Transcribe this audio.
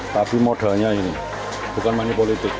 tapi modalnya ini bukan money politik